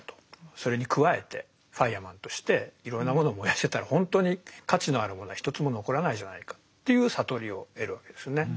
それに加えてファイアマンとしていろいろなものを燃やしてたら本当に価値のあるものは一つも残らないじゃないかっていう悟りを得るわけですよね。